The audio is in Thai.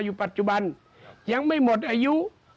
อยู่ปัจจุบันยังไม่หมดอายุ